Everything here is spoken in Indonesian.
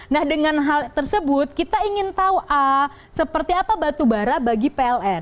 nah dengan hal tersebut kita ingin tahu seperti apa batubara bagi pln